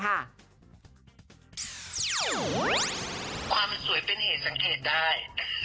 ความสวยเป็นเหตุสังเกตได้